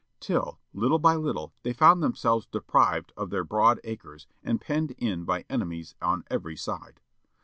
Till, little by little, they found themselves deprived of their broad acres, and penned in by enemies on every side.